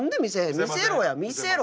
見せろや見せろ。